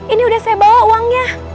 ini udah saya bawa uangnya